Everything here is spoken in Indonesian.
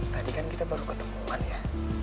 tadi kan kita baru ketemuan ya